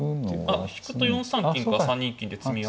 あっ引くと４三金から３二金で詰み。